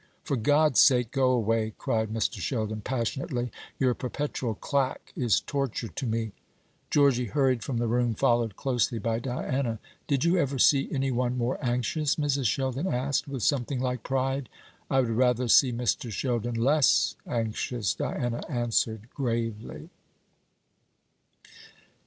"For God's sake go away!" cried Mr. Sheldon passionately; "your perpetual clack is torture to me." Georgy hurried from the room, followed closely by Diana. "Did you ever see any one more anxious?" Mrs. Sheldon asked, with something like pride. "I would rather see Mr. Sheldon less anxious!" Diana answered gravely.